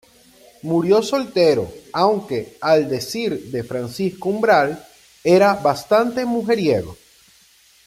Murió soltero, aunque, al decir de Francisco Umbral, era bastante mujeriego.